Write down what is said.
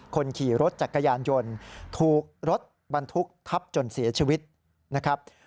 คนขี่รถจักรยานยนต์ถูกรถบรรทุกทับจนเสียชีวิตนะครับ